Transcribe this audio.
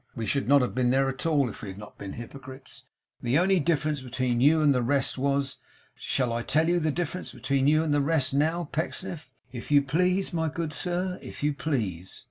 We should not have been there at all, if we had not been hypocrites. The only difference between you and the rest was shall I tell you the difference between you and the rest now, Pecksniff?' 'If you please, my good sir; if you please.